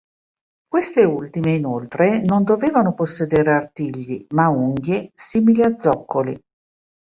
Queste ultime, inoltre, non dovevano possedere artigli ma unghie simili a zoccoli.